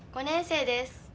５年生です。